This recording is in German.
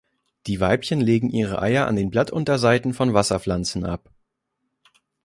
Die Weibchen legen ihre Eier an den Blattunterseiten von Wasserpflanzen ab.